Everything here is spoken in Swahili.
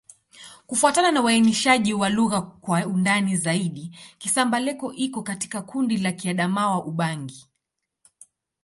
Kufuatana na uainishaji wa lugha kwa ndani zaidi, Kisamba-Leko iko katika kundi la Kiadamawa-Ubangi.